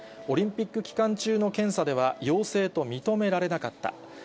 オリンピック期間中の検査では陽性と認められなかった。